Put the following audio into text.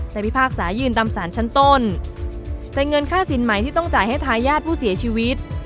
แต่พิพากษายืนตามสารชั้นต้นแต่เงินค่าสินใหม่ที่ต้องจ่ายให้ทายาทผู้เสียชีวิต